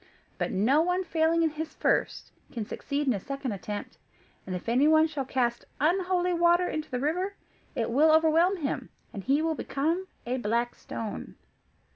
But no one failing in his first, can succeed in a second attempt; and if anyone shall cast unholy water into the river, it will overwhelm him, and he will become a black stone."